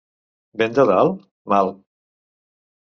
Vent de dalt? Mal!